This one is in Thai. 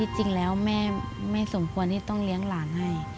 จริงแล้วแม่ไม่สมควรที่ต้องเลี้ยงหลานให้